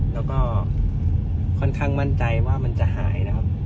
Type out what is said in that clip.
แล้วก็ค่อนข้างมั่นใจว่ามันจะหายนะครับ